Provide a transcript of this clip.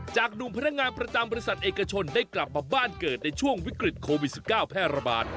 หนุ่มพนักงานประจำบริษัทเอกชนได้กลับมาบ้านเกิดในช่วงวิกฤตโควิด๑๙แพร่ระบาด